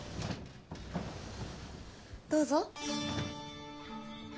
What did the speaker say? どうぞ。